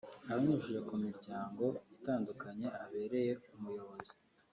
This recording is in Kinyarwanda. Abinyujije mu miryango itandukanye abereye umuyobozi